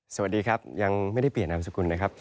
สวัสดีครับยังไม่ได้เปลี่ยนนามสกุลนะครับ